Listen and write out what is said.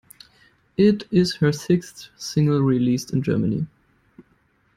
It is her sixth single released in Germany.